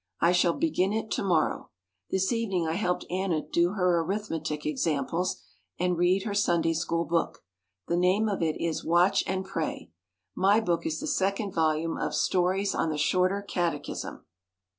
I shall begin it to morrow. This evening I helped Anna do her Arithmetic examples, and read her Sunday School book. The name of it is "Watch and Pray." My book is the second volume of "Stories on the Shorter Catechism."